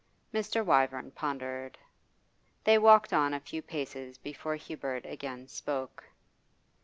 Mr. Wyvern pondered. They walked on a few paces before Hubert again spoke.